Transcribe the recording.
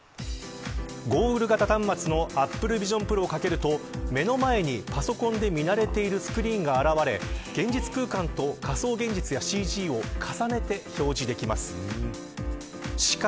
ゴーグル型端末のＡｐｐｌｅＶｉｓｉｏｎＰｒｏをかけると目の前にパソコンで見慣れているスクリーンが現れ現実空間と仮想現実やＣＧを重ねて表示できます。